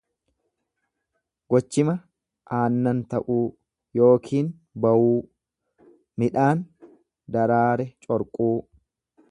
Gochima aannan ta'uu yookiin bawuu. midhaan daraare corquu.